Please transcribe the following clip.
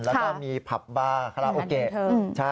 แล้วก็มีผับบาคาราโอเกะ